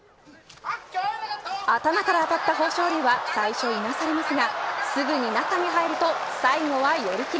頭から当たった豊昇龍は最初いなされますがすぐに中に入ると最後は寄り切り。